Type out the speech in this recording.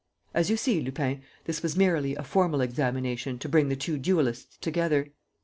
"As you see, Lupin, this was merely a formal examination to bring the two duelists together.